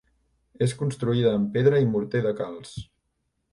És construïda amb pedra i morter de calç.